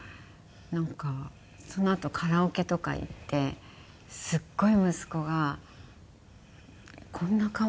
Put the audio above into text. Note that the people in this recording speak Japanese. なんかそのあとカラオケとか行ってすっごい息子がこんな顔して楽しいんだと思って。